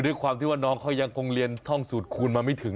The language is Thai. ด้วยความที่ว่าน้องเขายังคงเรียนท่องสูตรคูณมาไม่ถึง